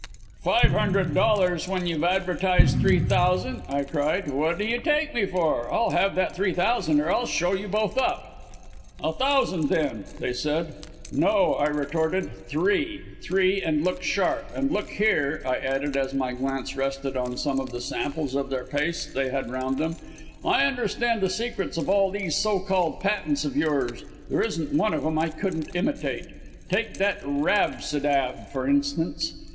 "'Five hundred dollars when you've advertised three thousand,' I cried. 'What do you take me for? I'll have that three thousand or I'll show you both up.' "'A thousand, then?' they said. "'No!' I retorted; 'three! Three, and look sharp. And look here,' I added, as my glance rested on some of the samples of their pastes they had round them, 'I understand the secrets of all these so called patents of yours there isn't one of them I couldn't imitate. Take that "Rabsidab," for instance.